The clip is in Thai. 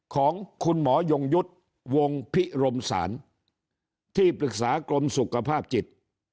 ของคุณหมอยงยุทธ์วงพิรมศาลที่ปรึกษากรมสุขภาพจิต